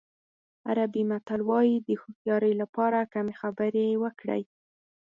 عربي متل وایي د هوښیارۍ لپاره کمې خبرې وکړئ.